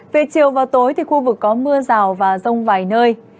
về chiều và tối thì khu vực có mưa rào và rông vài nơi